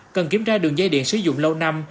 cần kiểm tra đường dây điện sử dụng lâu năm